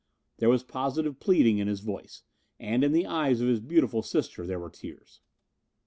There was positive pleading in his voice, and in the eyes of his beautiful sister there were tears.